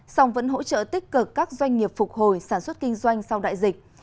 song vẫn hỗ trợ tích cực các doanh nghiệp phục hồi sản xuất kinh doanh sau đại dịch